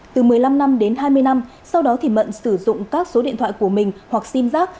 từ một mươi năm năm đến hai mươi năm sau đó thì mận sử dụng các số điện thoại của mình hoặc sim giác